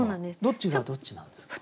どっちがどっちなんですか？